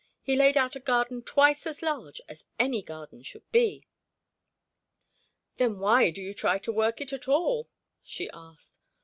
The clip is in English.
He laid out a garden twice as large as any garden should be." "Then why do you try to work it all?" she asked.